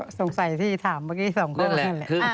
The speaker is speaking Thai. ก็สงสัยที่ถามเมื่อกี้สองเรื่องแหละ